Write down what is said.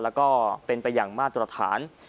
แล้วก็เป็นไปอย่างมาตรฐาน